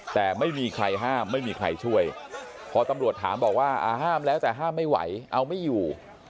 แต่ไม่มีใครห้ามไม่มีใครช่วยพอตำรวจถามบอกว่าห้ามแล้วแต่ห้ามไม่ไหวเอาไม่อยู่